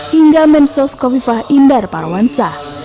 hingga mensos kofifah indar parawansa